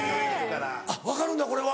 あっ分かるんだこれは。